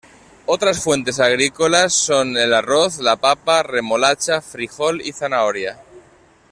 Otras fuentes agrícolas son el arroz, la papa, remolacha, frijol y zanahoria.